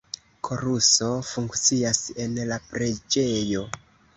Koruso funkcias en la preĝejo.